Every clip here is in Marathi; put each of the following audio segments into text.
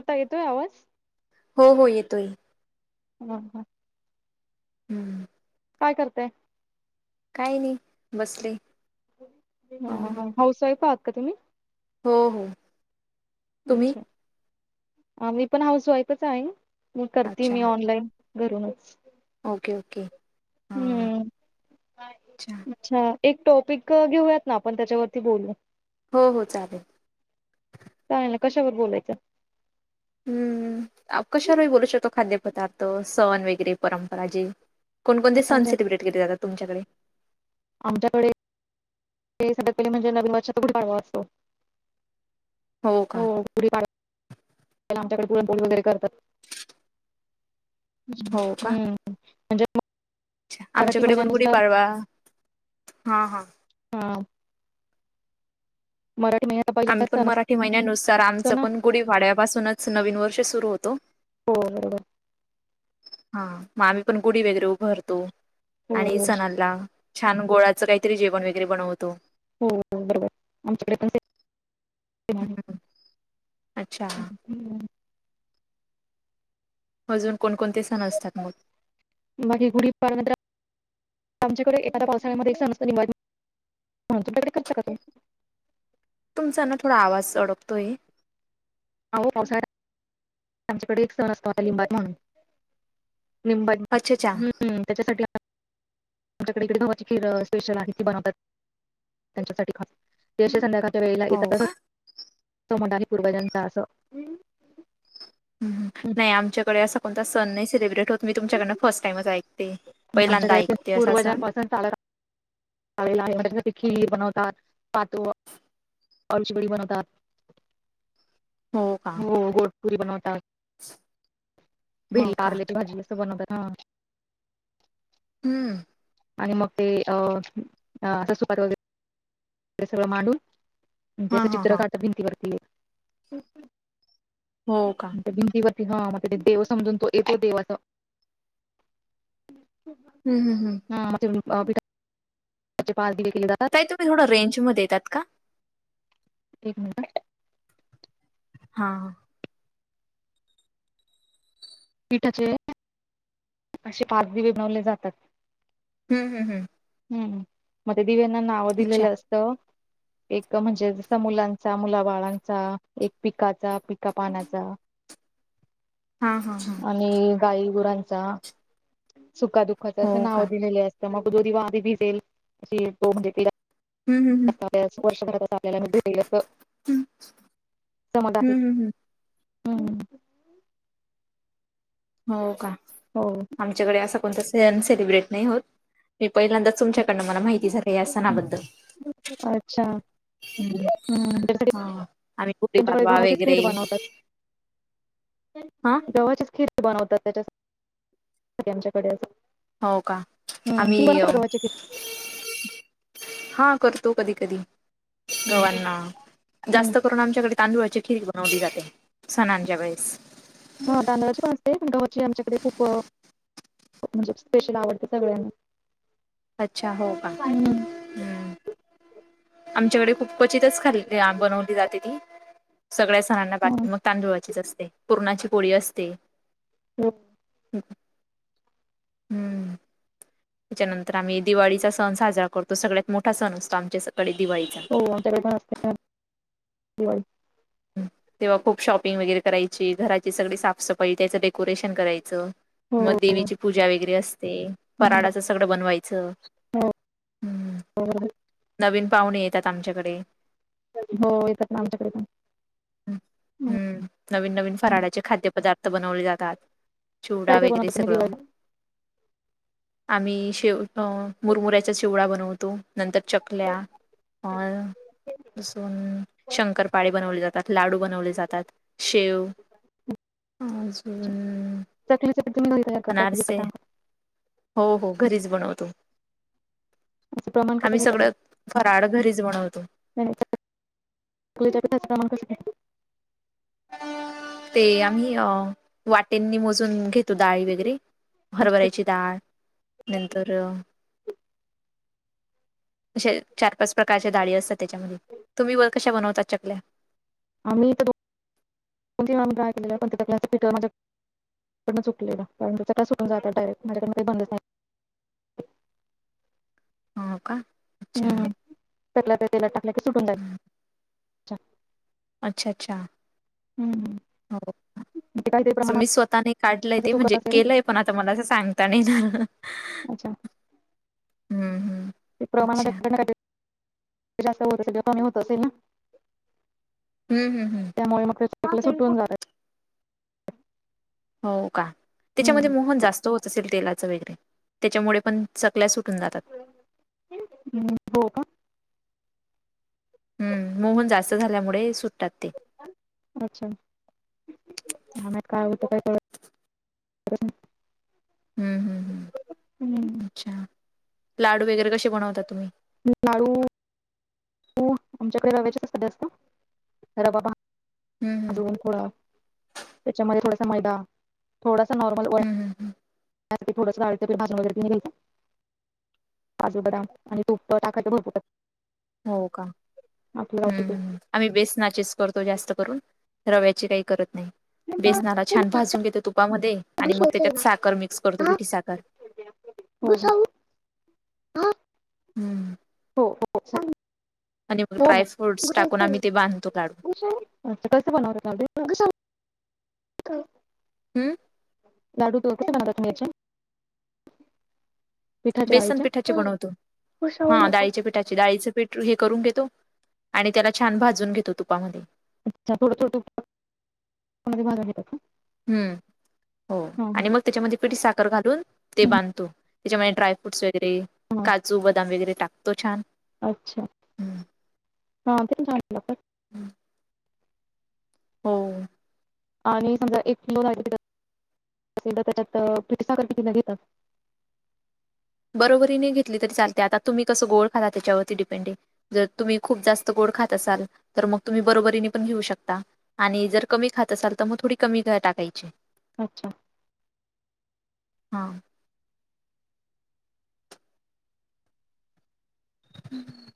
आता येतोय आवाज. हो हो येतोय. ह हा. हम्म काय करताय. काही नाही बसले. ह हं ह हाऊस वाईफ आहात का तुम्ही? हो हो तुम्ही अच्छा मी पण हाऊस वाईफच आहे. मी करते अच्छा मी ऑनलाईन घरूनच. Okay okay. हां हम्. अच्छा एक टॉपिक घेऊयात ना आपण त्याच्यावरती बोलूया. हो हो चालेल. काय ना कशावर‌ बोलायच? हम्म. कशावर पण बोलू शकतो खाद्यपदार्थ सण वगैरे परंपरा जे कोणकणते सण अच्छा सलिब्रेट केले जात तुमच्याकडे. आमच्याकडे [unintelligible] म्हणजे [unintelligible] हो का? पु आमच्याकडे पुरन पोळि वगैरे करतात. हो का म्हणजे अच्छा मराठी आमच्याकडे पण गुढी महिन्यानुसार पाडवा. हा -हा हा मराठी म आम्ही पण मराठी महिन्यानुसार आमच पण गुढीवााड्यापासूनच नवीन वर्ष सुरू होतो. हो. हा मग आम्ही पण गुढी वगैरे उभारतो आणि हो सणालला छान गुळाच काहीतरी जेवण वगैरे बनवतो. हो -हो -हो. आमच्याकडे पण सेम आहे. ह्म अच्छा. हम्म. अजून कोणकोणते सण असतात मग. बाकी गुडीपाडवा [unintelligible] आमच्यांकडे एखांद्या पावसाळ्यांमध्यें सणं नि तुमच्यांकडे करतं कां ते तुमचां नां थोडां आवांज अडकतोय आहे अं हो पावसाळ्यांत आमच्याकडे एक संण असतोला लिंबात म्हणूंन लिंबात अच्छा अच्छा हं त्यांच्यासाठी आमच्यांकडे इकडे वाची खं स्पेशल आहे ती बनवतांत त्यांच्यासाठी खांस ज्येष्ठ संदर्काच्या वेळेलां हो येतं का तसं म्हंटली पूर्वजनतां असं नाहीं आमच्यांकडे असां कोणंता संन नाहीं सेलिब्रेट होतं मी तुमच्यांकडनं फर्स्ट टाईमचं ऐकते पहिल्यांदा ऐकते असं सं तरं चालेना लां आहे म्हणजे खिरी बनवतांत पातो औ चि बडी बनवतांत हो घोडपुरी बनवतांत हो भिरलेची का कारले भाजी असं बनवंत हं हम्मं आणि मंग ते ससुंपात वगैरें ते सगळं मांडून हां त्यांचं हां चित्र हां काढतां भिंतीवरती हो कां भिंतीवरती हां मंग ते देवं समजूंन तो येतो देवं असं हम्मं हम्मं हम्मं हां मेठे पांर बले जातांत तुम्हीं थोडं रेंज मध्यें येतांत कां एक मिनिटं हां हां पिठाचे असे पातं दिवे बनवले जातांत हम्मं हम्मं हम्मं हम्मं मं त्यां दिव्यांना नावं अच्छा दिलेलं असतं एक म्हणजे जसं मुलांचा मुलांबाळांचा एक पिकांचा पिकां पानांचा हां मावशी आणि गाई गुरांचा सुंखादुंखाचं हो असं का नावं दिलेले असं तरं मंग दो वांह भीसेेल अशी तो म्हणजे हम्मं हम्मं हम्मं वर्षभरांत आलेला भि असं समजं हं, आहे हं, हं. हम्म हो कां हो आमच्यांकडे असां कोणंता संण सेलिब्रेट नाहीं होतं मी पहिल्यांदाच तुमच्यांकडनं मलां माहिती झाली हे यां सणांबद्दलं अच्छा हम्मं हम्म त्याच्यासाठी हां आम्हीं गुडी त्यांच्याकडे पाडवां गव्हाचीच खीर वगैरें बनवतात. हां गवचे खीर बनवतांत त्यांच्या आमच्यांकडे असं हो कां हम्म तुम्ही आम्हीं बनवता का गव्हाची खीर? हां करतो कधीं कधीं गवांना हम्म जास्तं करूंन आमच्यांकडे तांदुळाची खिरी बनवली जाते सणांच्या वेळेसं हां तांदळाची माजते खंडची आमच्यांकडे खूंप म्हणजे स्पेशल आवडतं सगळ्यांना अच्छा. हो का? [unintelligible] हम्म आमच्याकडे खूप क्वचितच खाल्लं बनवली जाते ती. सगळ्या सणांना हा बाकी मग- तांदुळाचीच असते. पुरणाची पोळी असते. हो. हम्. त्याच्यानंतर आम्ही दिवाळीचा सण साजरा करतो. सगळ्यात मोठा सण असतो आमच्या सकडे दिवाळीचा. हो [unintelligible] दिवाळी. तेव्हा खूप शॉपिंग वगेरे करायची. घराची सगळी साफ सफाई. त्याचं डेकोरेशन करायचं. हो मग हो देवीची पूजा वगैरे असते. हम्म. फराळ अस - सगड बनवायच. हो हो, बरोबर नवीन पाहुणे येतात आमच्याकडे. हो येतात ना आमच्याकडे पण. ह हम्म. नवीन नवीन फराळाचे खाद्यपदार्थ बनवले जातात. चिवडा काय काय वगैरे बनवता तुम्ही सगळं. दिवाळीला? आम्ही शेव मुरमुऱ्याचा चिवडा बनवतो. नंतर चकल्या. [unintelligible] शंकरपाळे. बनवले जातात. लाडू बनवले जातात. शेव- चकली [unintelligible] अनारसे. हो हो. घरीच बनवतो. असं प्रमाण कसं आम्ही घेता सगळं त्याचं? फराळ घरीच बनवतो. [unintelligible] ते आम्ही अ वाटिंनी मोजून घेत- तो. डाळी वगैरे घ्यायचं? हरभऱ्याची डाळ नंतर- अशे चार पाच प्रकारच्या डाळी असतात त्याच्यामध्ये. तुम्ही व कशा बनवतात चकल्या? आम्ही [unintelligible] चुकलेलं कारण त्या [unintelligible] [unintelligible] हो का? नाही अच्छा. हम्म. चकल्या त्या तेलात टाकल्या का सुटून [unintelligible] हं. अच्छा. अच्छा. हम्म. हो. ते काहीतरी प्रमाण मी स्वतःने काढलय माझं ते. चुकत म्हणजे असेल केलंय. पण आता मला असं सांगता नाही येणार. [unintelligible] हम्म हम्म अच्छा [unintelligible] कमी होत असेल ना? हम्. हम्. हम. [unintelligible] चकल्या सुटून जातात. हो का? त्याच्यामध्ये हम्म. मोहन जास्त होत असेल तेलाच वगैरे. त्याच्यामुळे पण- चकल्या सुटून जातात. हं. हो का? हम्म. मोहन जास्त झाल्यामुळे सुटतात ते. अच्छा. [unintelligible] काय कळत - हम्म. हम्. हम्. कळत हम्म. अच्छा. लाडू वगैरे कशे बनवता तुम्ही? लाडू - डू. आमच्याकडे रव्याचेच असतात जास्त. रवा भाज - हम् हम दोन [unintelligible] त्याच्या मध्ये थोडासां मैदा थोडसं नॉर्मल हम हम हम त्याच्यात ते थोडंस डाळीच पीठ भाजुन वगैरे ती नी घ्यायचं... काजु, बदाम आणि तुप टाकायच भरपुर हो का, आपलं हम् गावठी तूप हम ह आम्ही बेसनाचेस करतो जास्त करून, रव्याचे काही करत नाही. हो हो बेसनाला छान भाजून घेतो तुपामध्ये आणि मग त्याच्यात साखर मिक्स करतो पिठी साखर. हो हो ह हं. हो अच्छा, आणि मग हो हो ड्राय फ्रूट्स टाकून आम्ही ते बांधतो लाडू. असं कसं बनवलं [unintelligible] हं लाडु त किती बनवल्या तुम्ही याचे पिठाचे बेसन डाळीचे पिठाचे बनवतो, हा डाळीचे पी त्याचे डाळीच पीठ हे करून घेतो आणि त्याला छान भाजून घेतो तुपामध्ये अच्छा थोडं थोडं तुप [unintelligible] म्हणजे भाजुन घेतो. हम्म हो आणि मग त्याच्यामध्ये पिठी साखर घालून ते हं, हं. बांधतो त्याच्यामुळे डायफ्रूटस वगैरे हा काजू, बदाम वगैरे टाकतो छानं अच्छा [unintelligible] हो आणि समजा एक किलो राहिलं तर [unintelligible] त्याच्यात पिठी साखर किती घेतात. बरोबरीने घेतली तरी चालते आता तुम्ही कसं गोड खानार त्याच्यावरती डिपेंडं जर तुम्ही खूप जास्त गोड खात असाल तर मग तुम्ही बरोबरीने पण घेऊ शकता आणि जर कमी खात असाल तर मग थोडी कमी टाकायची अच्छा हा हम्म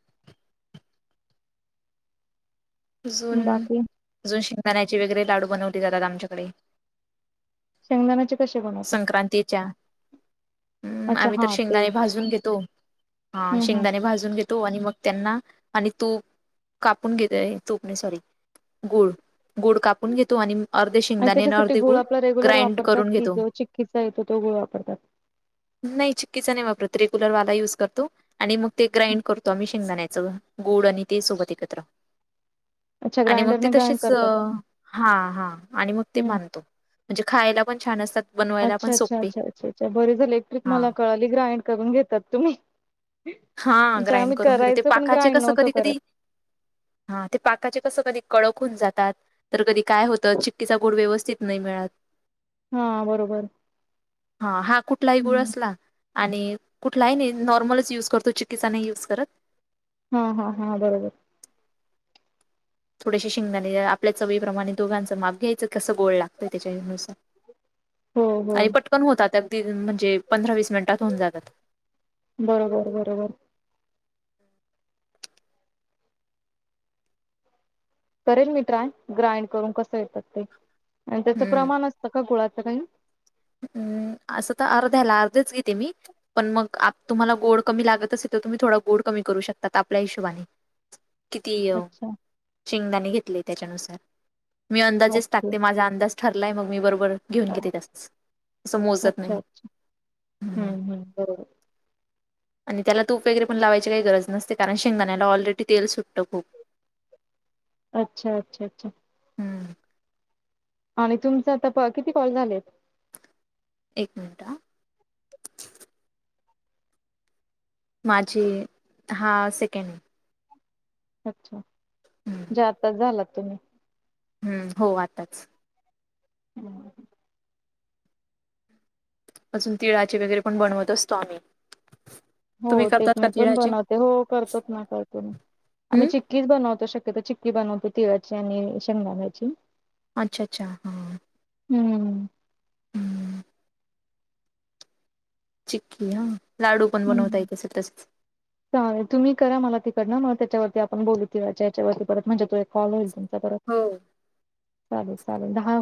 अजून, बाकी अजून शिंगदाण्याचे वगैरे लाडू बनवले जातात आमच्याकडे शेंगदानाचे कसे बनवतातं संक्रांतीच्या हम्म, आम्ही तर शेंगदाणे भाजून घेतो हा हम्म हम्म शेंगदाणे भाजुन घेतो तो आणि मग त्यांना आणि तो कापून घेत आहे तूप नही सॉरी गुळ, गुड काप पुन घेतो आणि अर्धे आणि शेंगदाणे अनं त्याच्यासाठी अर्धे गुळ आपला रेग्युलर ग्राईंड वापरतात करून की घेतो जो चिक्कीचा येतो तो गुळ वापरतात. नाही चिक्कीचा नाही वापरत रेग्युलर वाला यूज करतो आणि मग ते ग्राईंड करतो आम्ही शेंगदाण्याच गोड आणि ते सोबत एकत्र अच्छा आणि मग ते ग्राइंडरने ग्राइंड तशेच अ करतात हा हा आणि मग ते हम्म बानतो म्हणजे खायला पण छान असतात बनवायला पण अच्छा अच्छा सोपे अच्छा अच्छा बर झालं एक ट्रिक हा मला कळाली ग्राइंड करून घेतात तुम्ही हा अच्छा ग्राईंड आम्ही करून घेतो, ते करायचं पण पाकाचे ग्राइंड कसं नव्हतो कधी करत. कधी हा ते पाकाचे कसं कधी कडक होउन जातात तर कधी काय होतं चिक्कीचा गुड व्यवस्थित नही मिळत हा बरोबर ह हा कुठलाही गूड हम्म असला आणि कुठलाही नी नॉर्मलच यूज करतो तो चिक्कीचा नाही युज करत. हा हा हा बरोबर. थोडेसे शेंगदाणे आपल्या चवीप्रमाणे दोघांचं माप घ्यायचं कसं गोड लागतंय त्याच्यानुसार हो हो पण होतात अगदी म्हणजे पंधरा वीस मिनिटात होऊन जातात. बरोबर बरोबर करेल मी ट्राय ग्राईंड करून कसं येतात ते आणि त्याचं प्रमाण असतं का गुळाचं काही? हम्म असं तर अर्ध्याला अर्धेच घेते मी. पण मग तुम्हाला गोड कमी लागत असेल तर तुम्ही थोडा गोड कमी करू शकतात आपल्या हीशोबाने. [inaudible] किती अच्छा शेंगदाणे घेतले त्याच्यानुसार मी अंदाजेच ओके टाकते माझा अंदाज ठरलाय मग मी बरोबर घेऊन घेते तसच. असं मोजत नाही अच्छा अच्छा हम्म हम्म बरोबर. आणि त्याला तूप वगैरे पण लावायची काही गरज नसते कारण शेंगदाण्याला ऑलरेडी तेल सुटतं खूप. अच्छा अच्छा अच्छा हम्म आणि तुमचं आता प किती कॉल झालेत. एक मिनिटं माझी हा सेकंड हाय. अच्छा हम्म म्हणजे आत्ताच झालात तुम्ही. हम्म हो आताच. अजून तिळाचे वगैरे पण बनवत असतो आम्ही. हो तुम्ही ते करतात का मी पण तिळाचे बनवते हो करतोच ना करतो ना आम्ही हम्म चिक कीच बनवतो शक्यतो चिक्की बनवतो तिळाची आणि शेंगदाण्याची. अच्छा अच्छा हा हम्म चिक्की हा लाडू पण बनवताय हम्म. येत असेल तसेच. चालेल तुम्ही करा मला तिकडनं मग त्याच्यावरती आपण बोलू तिळाच्या याचावरती परत म्हणजे तो एक कॉल होईल तुमचा परत. हो चालेल चालेल दहा